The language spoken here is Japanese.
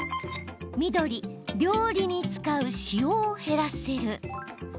緑・料理に使う塩を減らせる。